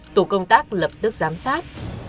tổ công tác lập tức giám sát